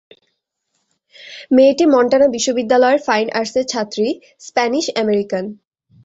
মেয়েটি মন্টানা বিশ্ববিদ্যালয়ের ফাইন আর্টসের ছাত্রী-স্প্যানিশ আমেরিকান।